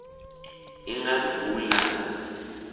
اینقدر وول نخور!